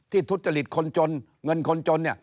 ทุจริตคนจนเงินคนจน